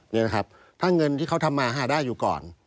นี่นะครับถ้าเงินที่เขาทำมาหาได้อยู่ก่อน